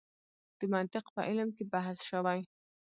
د منطق په علم کې بحث شوی.